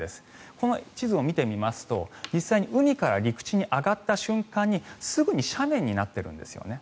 この地図を見てみますと、実際に海から陸地に上がった瞬間にすぐに斜面になっているんですよね。